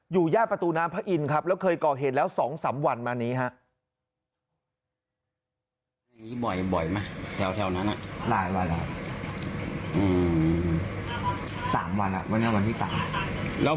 ย่านประตูน้ำพระอินทร์ครับแล้วเคยก่อเหตุแล้ว๒๓วันมานี้ครับ